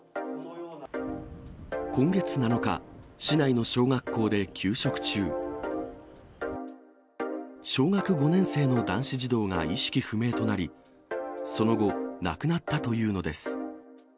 今月７日、市内の小学校で給食中、小学５年生の男性児童が意識不明となり、その後、亡くなったというのです。